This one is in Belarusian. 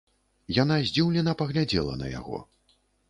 Яна здзіўлена паглядзела на яго.